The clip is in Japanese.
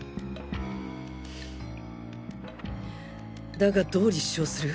だがどう立証する？